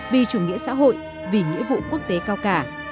vì chủ nghĩa xã hội vì nghĩa vụ quốc tế cao cả